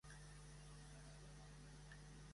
Dídac Pestaña Rodríguez va ser un polític nascut a Gavà.